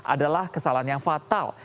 adalah kesalahan yang fatal